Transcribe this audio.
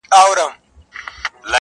خلک يوازي بقا غواړي دلته،